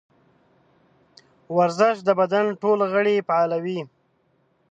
ورزش د بدن ټول غړي فعالوي.